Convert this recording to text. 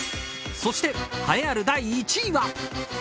そして、栄えある第１位は。